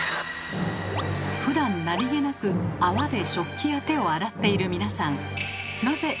ふだん何気なく泡で食器や手を洗っている皆さん。